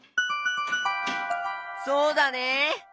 そうだね。